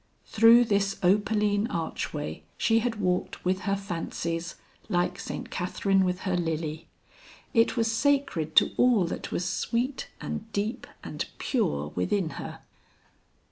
Through this opaline archway she had walked with her fancies, like Saint Catherine with her lily. It was sacred to all that was sweet and deep and pure within her.